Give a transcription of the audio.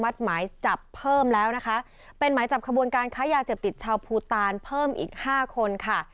เสียบติดชาวภูตาลเพิ่มอีก๕คนค่ะ